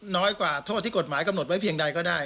น้อยกว่าโทษที่กฎหมายกำหนดไว้เพียงใดก็ได้